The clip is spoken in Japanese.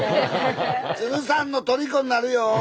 鶴さんのとりこになるよ！